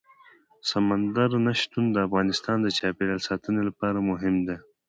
سمندر نه شتون د افغانستان د چاپیریال ساتنې لپاره مهم دي.